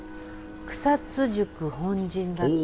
「草津宿本陣」だって。